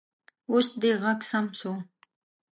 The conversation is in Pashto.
اوس دې غږ سم شو